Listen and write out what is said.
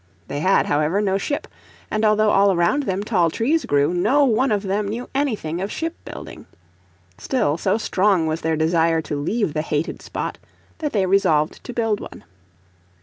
They had, however, no ship, and although all around them tall trees grew no one of them knew anything of ship building. Still, so strong was their desire to leave the hated spot that they resolved to build one.